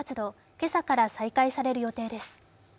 今朝から再開される予定です。